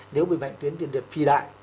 nếu bị bệnh tuyến tiền liệt phì đại